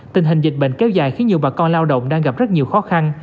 tình hình dịch bệnh kéo dài khiến nhiều bà con lao động đang gặp rất nhiều khó khăn